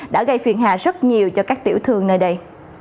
đã gây phiền hà rất nhiều cho các tiểu thương nơi đây